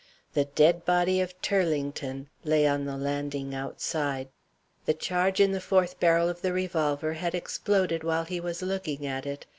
The dead body of Turlington lay on the landing outside. The charge in the fourth barrel of the revolver had exploded while he was looking at it.